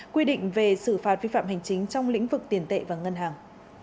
quy định về xử phạt vi phạm hành chính trong lĩnh vực tiền tệ và ngân hàng